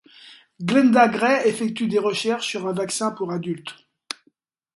Glenda Gray effectue des recherches sur un vaccin pour adultes.